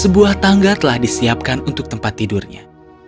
sebuah tangga telah disiapkan untuk tempat tidurnya